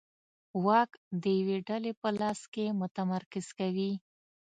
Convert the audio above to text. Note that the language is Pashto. واک د یوې ډلې په لاس کې متمرکز کوي